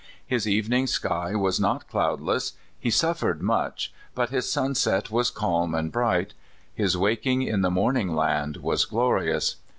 His evening sky was not cloudless he suffered much but his sunset was calm and bright ; his waking in the Morning Land was glorious.